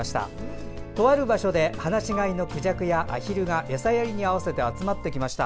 とある場所で放し飼いのクジャクやアヒルが餌やりに合わせて集まってきました。